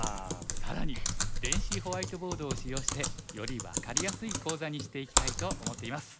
更に電子ホワイトボードを使用してより分かりやすい講座にしていきたいと思っています。